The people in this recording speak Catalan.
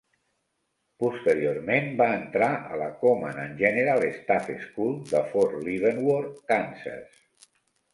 Posteriorment, va entrar a la Command and General Staff School de Fort Leavenworth, Kansas.